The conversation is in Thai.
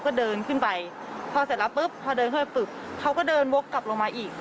พอเดินไปปึกก็เขาก็เดินโว๊คกลับลงมาอีก